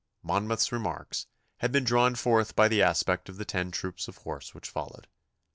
Monmouth's remarks had been drawn forth by the aspect of the ten troops of horse which followed.